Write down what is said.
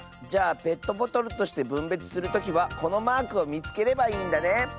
じゃあペットボトルとしてぶんべつするときはこのマークをみつければいいんだね。